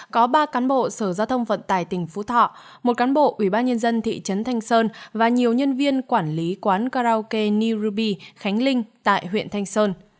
có ba cán bộ sở giao thông vận tải tỉnh phú thọ một cán bộ ủy ban nhân dân thị trấn thanh sơn và nhiều nhân viên quản lý quán karaoke new ruby khánh linh tại huyện thanh sơn